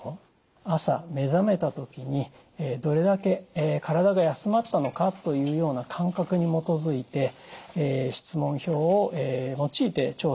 朝目覚めたときにどれだけ体が休まったのかというような感覚に基づいて質問票を用いて調査しました。